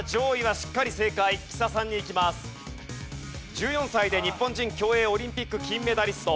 １４歳で日本人競泳オリンピック金メダリスト。